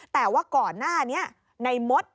แต่ว่าก่อนหน้านี้ในมด